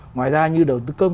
ngoài ra như đầu tư câm